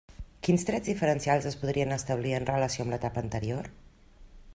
Quins trets diferencials es podrien establir en relació amb l'etapa anterior?